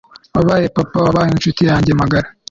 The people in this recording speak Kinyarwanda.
wabaye papa, wabaye inshuti yanjye magara